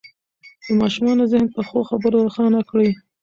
د ماشومانو ذهن په ښو خبرو روښانه کړئ.